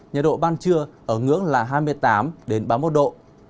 nhiệt độ ban trưa ở ngưỡng là hai mươi tám ba mươi một độ